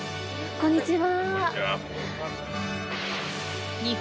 こんにちは。